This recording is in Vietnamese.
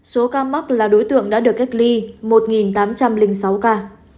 số ca mắc là đối tượng đã được cách ly một tám trăm linh sáu ca